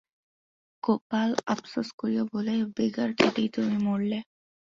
গোপাল আপসোস করিয়া বলে, বেগার খেটেই তুমি মরলে।